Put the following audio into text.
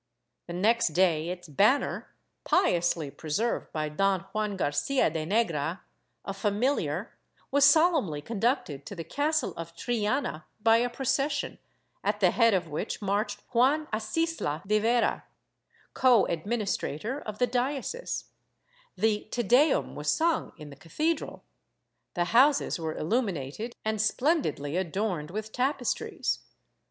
The next day its banner, piously preserved by Don Juan Garcia de Negra, a familiar, was solemnly conducted to the castle of Triana by a procession, at the head of which marched Juan Acisla de Vera, coadministrator of the diocese; the Te Deum was sung in the cathedral, the houses were illuminated and splendidly adorned with tapestries.